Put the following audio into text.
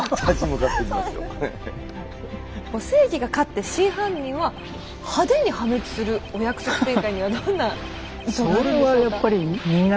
正義が勝って真犯人は派手に破滅するお約束展開にはどんな意図があるんでしょうか？